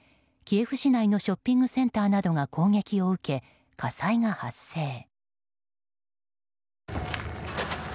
キエフ市内のショッピングセンターなどが攻撃を受け火災が発生。